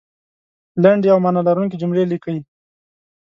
لنډې او معنا لرونکې جملې لیکئ